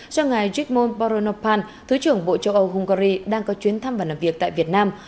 cho ngài digmun baronopan thứ trưởng bộ châu âu hungary đang có chuyến thăm và làm việc tại việt nam